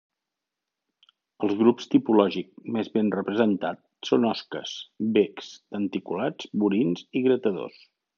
Els grups tipològics més ben representats són osques, becs, denticulats, burins i gratadors.